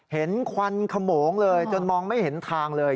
ควันขโมงเลยจนมองไม่เห็นทางเลย